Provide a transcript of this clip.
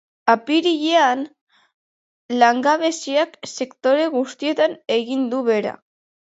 Apirilean, langabeziak sektore guztietan egin du behera.